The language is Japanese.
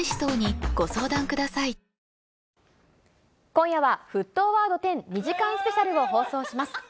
今夜は、沸騰ワード１０、２時間スペシャルを放送します。